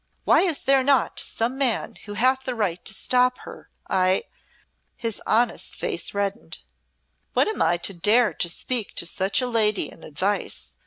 Why is there not some man who hath the right to stop her I " his honest face reddened "what am I to dare to speak to such a lady in advice.